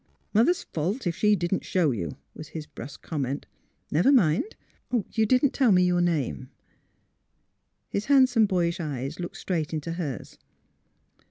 " Mother's fault, if she didn't show you," was his brusque comment. '' Never mind, — you didn't tell me your name? " His handsome, boyish eyes looked straight into hers.